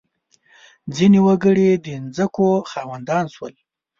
• ځینې وګړي د ځمکو خاوندان شول.